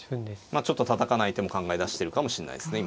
まあちょっとたたかない手も考え出してるかもしれないですね。